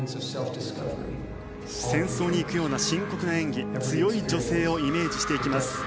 戦争に行くような深刻な演技強い女性をイメージしていきます。